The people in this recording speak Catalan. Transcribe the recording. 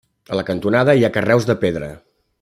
A la cantonada hi ha carreus de pedra.